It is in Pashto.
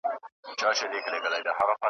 دا پیغام چا رالېږلی؟ کشکي نه مي اورېدلای .